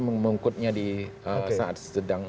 mengungkutnya di saat sedang